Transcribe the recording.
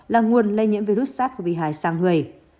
là nguồn lây nhiễm virus sars cov hai sang người